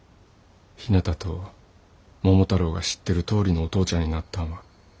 ひなたと桃太郎が知ってるとおりのお父ちゃんになったんは。